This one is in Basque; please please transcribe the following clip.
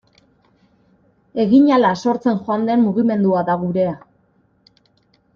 Egin ahala sortzen joan den mugimendua da gurea.